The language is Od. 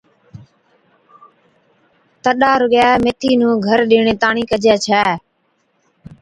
تڏا رُگَي ميٿي نُون گھر ڏِيڻي تاڻِين ڪجي ڇَي